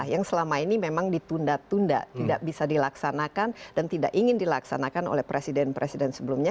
yang selama ini memang ditunda tunda tidak bisa dilaksanakan dan tidak ingin dilaksanakan oleh presiden presiden sebelumnya